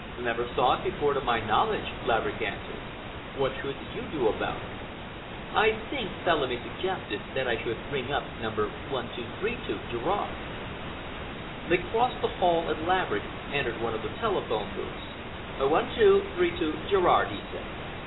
"Never saw it before, to my knowledge," Laverick answered. "What should you do about it?" "I think," Bellamy suggested, "that I should ring up number 1232 Gerrard." They crossed the hall and Laverick entered one of the telephone booths. "1232 Gerrard," he said.